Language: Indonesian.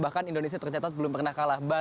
bahkan indonesia tercatat belum pernah kalah